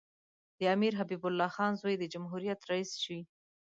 د امیر حبیب الله خان زوی د جمهوریت رییس شي.